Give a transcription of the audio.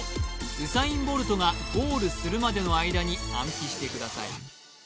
ウサイン・ボルトがゴールするまでの間に暗記してください